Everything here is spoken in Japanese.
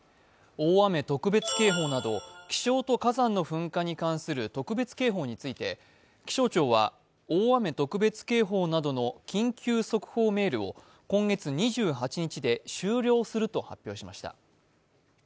大雨特別警報など、気象と火山の噴火に関する特別警報について気象庁は大雨特別警報などの緊急速報メールを今月２８日で終了すると発表しました。